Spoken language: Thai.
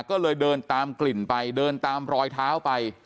ก็เลยเดินตามกลิ่นไปเดินตามรอยเท้าไป